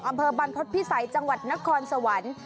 อำเภอบรรพฤษภิษัยจังหวัดนครสวรรค์